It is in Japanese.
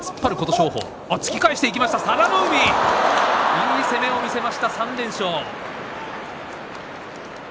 いい攻めを見せました３連勝の佐田の海。